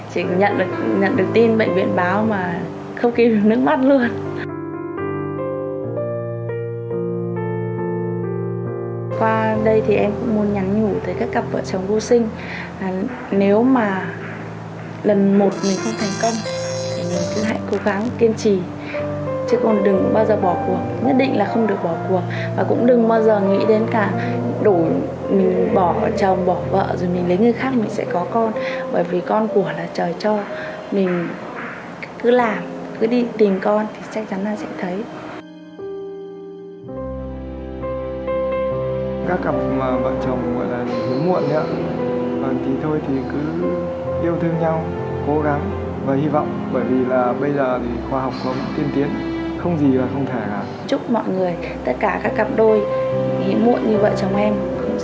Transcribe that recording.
chỉ có nhận được tin bệnh viện báo mà không kịp được nước mắt luôn